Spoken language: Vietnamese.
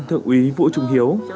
thượng úy vũ trung hiếu